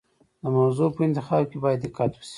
د موضوع په انتخاب کې باید دقت وشي.